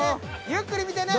ゆっくり見てね。